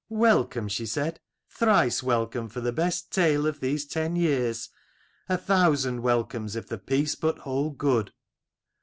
"Welcome?" she said. "Thrice welcome for the best tale of these ten years : a thousand welcomes if the peace but hold good."